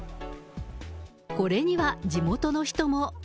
これには地元の人も。